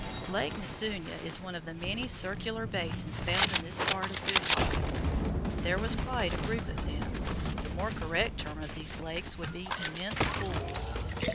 Lake Musunya is one of the many circular basins found in this part of Uhha. There was quite a group of them. The more correct term of these lakes would be immense pools.